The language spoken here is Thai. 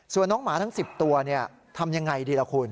ส่วนน้องหมาทั้ง๑๐ตัวทำยังไงดีล่ะคุณ